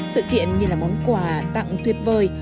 sự kiện như là món quà tặng tuyệt vời